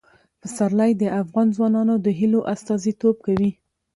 پسرلی د افغان ځوانانو د هیلو استازیتوب کوي.